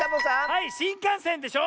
はいしんかんせんでしょ！